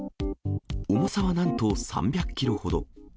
重さはなんと３００キロほど。